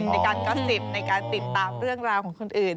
ในการก๊อตสิทธิ์ในการติดตามเรื่องราวของคนอื่น